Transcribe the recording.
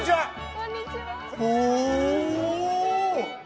こんにちは！